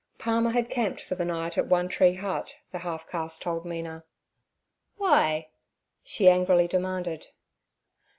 Palmer had camped for the night at One Tree Hut, the half caste told Mina. 'W'y?' she angrily demanded.